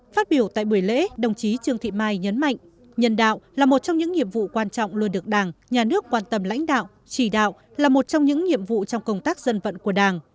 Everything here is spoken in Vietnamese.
phát biểu tại buổi lễ đồng chí trương thị mai nhấn mạnh nhân đạo là một trong những nhiệm vụ quan trọng luôn được đảng nhà nước quan tâm lãnh đạo chỉ đạo là một trong những nhiệm vụ trong công tác dân vận của đảng